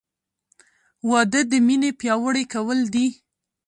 • واده د مینې پیاوړی کول دي.